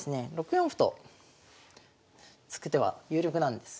６四歩と突く手は有力なんです。